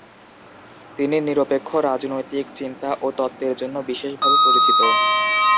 তিনি নিরপেক্ষ রাজনৈতিক চিন্তা ও তত্ত্বের জন্য বিশেষভাবে পরিচিত।